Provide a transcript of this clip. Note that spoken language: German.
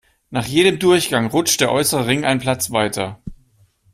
Nach jedem Durchgang rutscht der äußere Ring einen Platz weiter.